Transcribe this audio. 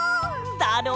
だろ？